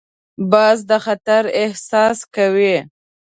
باز د خطر احساس کوي